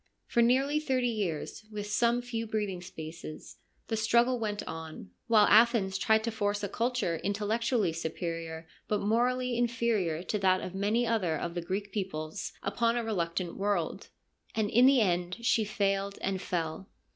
For nearly thirty years, with some few breathing spaces, the struggle went on, while Athens tried to force a culture intellectually superior but morally inferior to that of many other of the Greek peoples upon a reluctant world : and in the end she failed and fell.